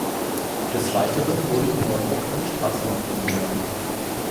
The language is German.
Des Weiteren wurde in Neuburg eine Straße nach ihm benannt.